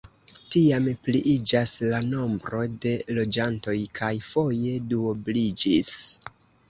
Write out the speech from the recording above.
Tiam pliiĝas la nombro de loĝantoj kaj foje duobliĝis.